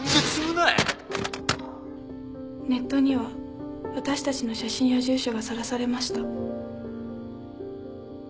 ・ネットには私たちの写真や住所がさらされました。